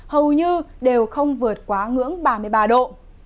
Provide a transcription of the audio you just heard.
hầu như đều không vượt quá ngưỡng ba mươi ba độ